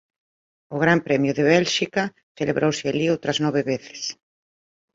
O Gran Premio de Bélxica celebrouse alí outras nove veces.